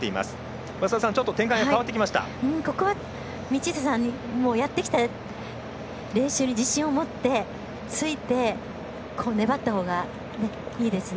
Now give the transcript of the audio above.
ここは道下さんやってきた練習に自信を持ってついて、粘ったほうがいいですね。